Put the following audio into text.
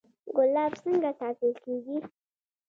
ګلاب څنګه ساتل کیږي؟